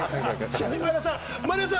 前田さん